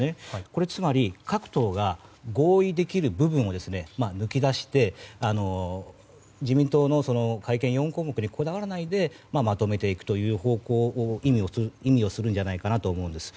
これはつまり、各党が合意できる部分を抜き出して自民党の改憲４項目にこだわらないでまとめていく方向だということを意味するんじゃないかと思います。